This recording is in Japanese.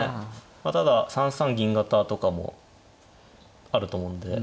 まあただ３三銀型とかもあると思うんで。